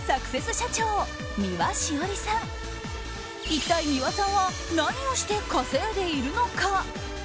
一体、三輪さんは何をして稼いでいるのか。